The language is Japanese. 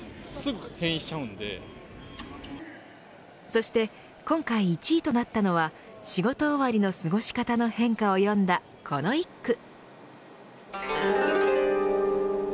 そして今回１位となったのは仕事終わりの過ごし方の変化を詠んだこの一句。